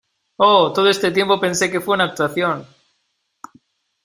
¡ Oh, todo este tiempo pensé que fue una actuación!